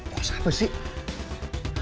puas apa sih